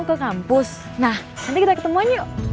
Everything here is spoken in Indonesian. aku mau ke kampus nah nanti kita ketemuan yuk